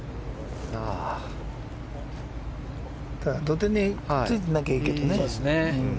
ただ、土手についてなきゃいいけどね。